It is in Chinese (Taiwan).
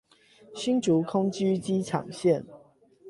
新竹空軍機場線